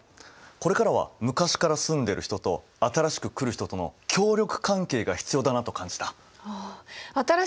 これからは昔から住んでる人と新しく来る人との協力関係が必要だなと感じた。